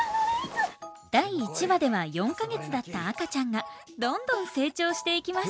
第１話では４か月だった赤ちゃんがどんどん成長していきます。